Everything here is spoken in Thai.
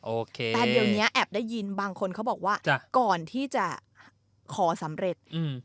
โอเคแต่เดี๋ยวนี้แอบได้ยินบางคนเขาบอกว่าก่อนที่จะขอสำเร็จ